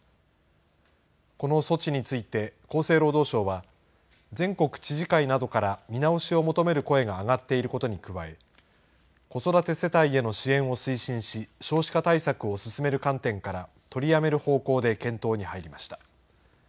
この措置について、厚生労働省は、全国知事会などから見直しを求める声が上がっていることに加え、子育て世帯への支援を推進し、少子化対策を進める観点から、取りやめる方向で検討に入りました。